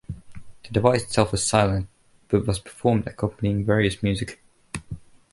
The device itself was silent, but was performed accompanying various music.